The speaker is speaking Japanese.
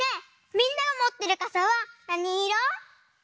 みんながもってるかさはなにいろ？